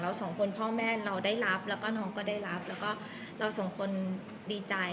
สองคนพ่อแม่เราได้รับแล้วก็น้องก็ได้รับแล้วก็เราสองคนดีใจ